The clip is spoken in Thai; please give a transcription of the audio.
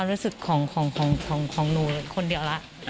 ตอนนี้เหลือแค่เรื่องความรู้สึกของหนูคนเดียวล่ะ